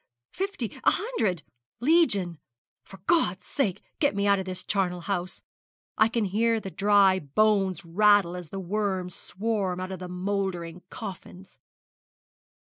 fifty a hundred legion. For God's sake get me out of this charnel house! I can hear the dry bones rattle as the worms swarm out of the mouldering coffins.'